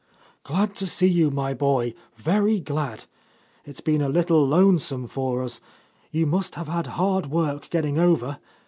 "Glad to see you, my boy, very glad. It's been a little lonesome for us. You must have had hard work getting over.